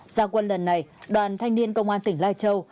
gia quân lần này đoàn thanh niên công an tỉnh lai châu